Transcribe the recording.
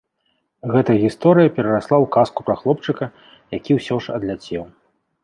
Гэтая гісторыя перарасла ў казку пра хлопчыка, які ўсё ж адляцеў.